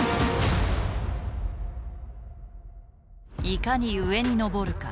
いかに上に登るか。